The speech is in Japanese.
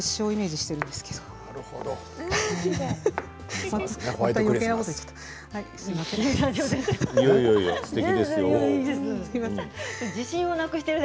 すいません。